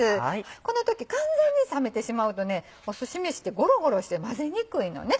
この時完全に冷めてしまうとすしめしってゴロゴロして混ぜにくいのね。